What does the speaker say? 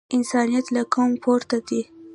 انسانیت له قوم پورته دی.